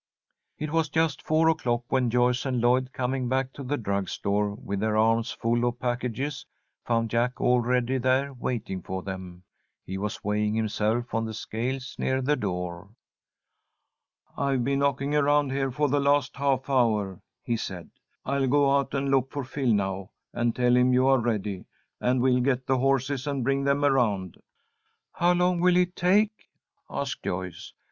It was just four o'clock when Joyce and Lloyd, coming back to the drug store with their arms full of packages, found Jack already there waiting for them. He was weighing himself on the scales near the door. "I've been knocking around here for the last half hour," he said. "I'll go out and look for Phil now, and tell him you are ready, and we'll get the horses and bring them around." "How long will it take?" asked Joyce.